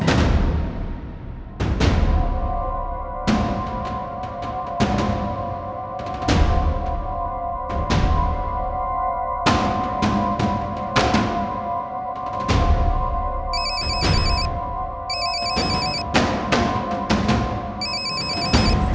tidak ada apa apa